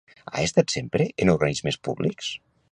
Ha estat sempre en organismes públics?